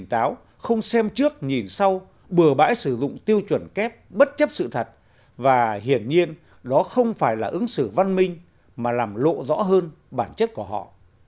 táo không xem trước nhìn sau bừa bãi sử dụng tiêu chuẩn kép bất chấp sự thật và hiển nhiên đó không phải là ứng xử văn minh mà làm lộ rõ hơn bản chất của họ